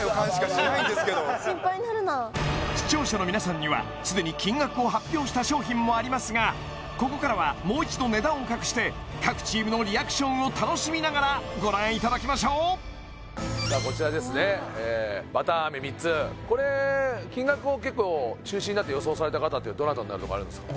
心配になるな視聴者の皆さんにはすでに金額を発表した商品もありますがここからはもう一度値段を隠して各チームのリアクションを楽しみながらご覧いただきましょうさあこちらですねバター飴３つこれ金額を結構中心になって予想された方ってどなたになるとかあるんですか？